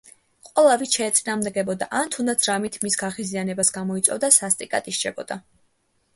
ყველა, ვინც შეეწინააღმდეგებოდა ან თუნდაც რამით მის გაღიზიანებას გამოიწვევდა, სასტიკად ისჯებოდა.